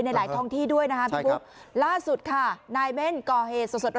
ในหลายทองที่ด้วยนะฮะใช่ครับล่าสุดค่ะนายเม่นก่อเหตุสด